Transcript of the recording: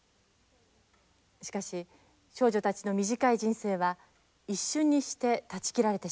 しかし少女たちの短い人生は一瞬にして断ち切られてしまいました。